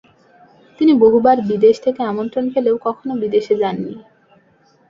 তিনি বহুবার বিদেশ থেকে আমন্ত্রণ পেলেও কখনও বিদেশে যাননি।